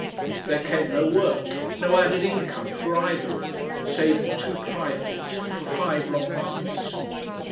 There came no work, no added income for either of them, saving two trifles, for five long months.